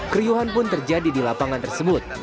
keriuhan pun terjadi di lapangan tersebut